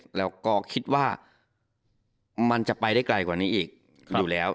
แล้วก็คิดว่ามันจะไปได้ไกลกว่านี้อีกอยู่แล้ว